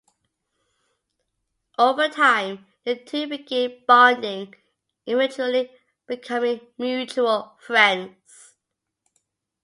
Over time, the two begin bonding, eventually becoming mutual friends.